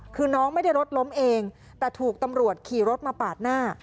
คือน้องไม่ได้รถล้มเองแต่ถูกตำรวจขี่รถมาปาดหน้า